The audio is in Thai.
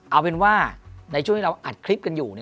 เอาเป็นว่าในช่วงที่เราอัดคลิปกันอยู่